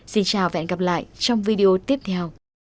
xin chào và hẹn gặp lại trong video tiếp theo